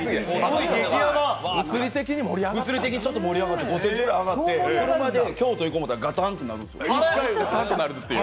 物理的に盛り上がって５ｃｍぐらい上がって、車で京都行こうと思ったらガタンなるんですよ。